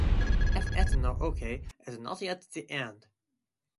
If it's not ok, it's not yet the end.